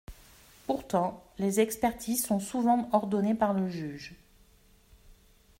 Pourtant, les expertises sont souvent ordonnées par le juge.